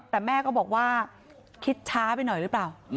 แต่แม่ก็บอกว่าคิดช้าไปหน่อยหรือเปล่า